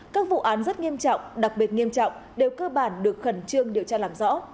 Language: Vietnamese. các vụ án rất nghiêm trọng đặc biệt nghiêm trọng đều cơ bản được khẩn trương điều tra làm rõ